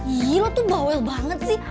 iya lo tuh bawel banget sih